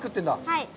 はい。